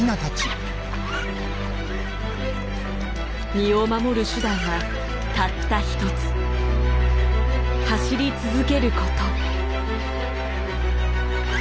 身を守る手段はたった一つ走り続けること。